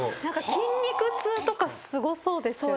筋肉痛とかすごそうですよね。